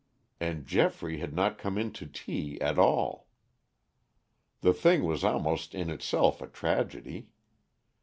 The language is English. And Geoffrey had not come in to tea at all. The thing was almost in itself a tragedy.